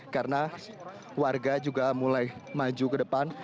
karena warga juga mulai maju ke depan